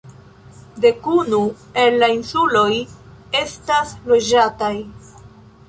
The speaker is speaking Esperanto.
Dekunu el la insuloj estas loĝataj.